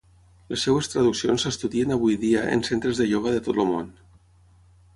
Les seves traduccions s'estudien avui dia en centres de ioga de tot el món.